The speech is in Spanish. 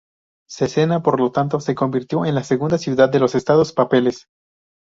Cesena por lo tanto se convirtió en la segunda ciudad de los Estados Papales.